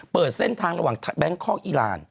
เปิดเส้นทางระหว่างแบงคอกอีราน